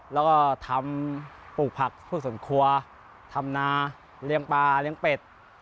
แล้วก็ทำปลูกผักพวกส่วนครัวทำนาเลี้ยงปลาเลี้ยงเป็ด